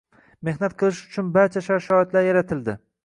Mehnat qilish uchun barcha shart-sharoitlar yaratildi.